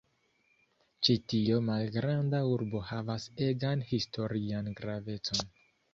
Ĉi tio malgranda urbo havas egan historian gravecon.